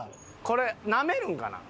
これ舐めるんかな？